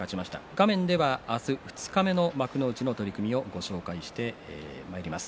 画面では明日、二日目の幕内の取組をご紹介しています。